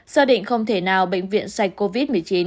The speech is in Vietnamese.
xác định không thể nào bệnh viện sạch covid một mươi chín